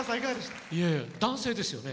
男性ですよね。